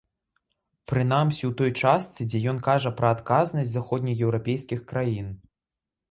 Прынамсі ў той частцы, дзе ён кажа пра адказнасць заходнееўрапейскіх краін.